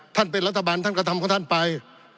ท่านเป็นรัฐบาลท่านก็ทำของท่านไป